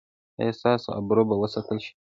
ایا ستاسو ابرو به وساتل شي؟